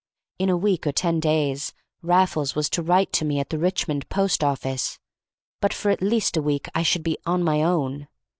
In a week or ten days Raffles was to write to me at the Richmond post office, but for at least a week I should be "on my own."